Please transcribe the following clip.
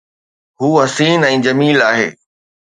هو حسين ۽ جميل آهي